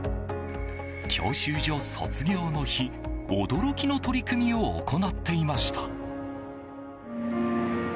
教習所卒業の日、驚きの取り組みを行っていました。